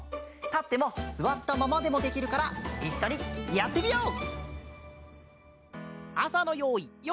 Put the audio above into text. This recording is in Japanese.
たってもすわったままでもできるからいっしょにやってみよう！